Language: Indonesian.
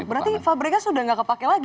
berarti fabregas sudah tidak kepake lagi